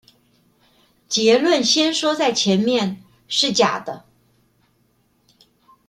結論先說在前面：是假的